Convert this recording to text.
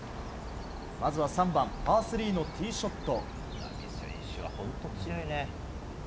まずは３番、パー３のティーショット。